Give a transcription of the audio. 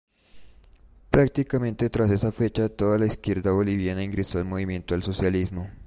Prácticamente tras esa fecha toda la izquierda boliviana ingresa al Movimiento al Socialismo.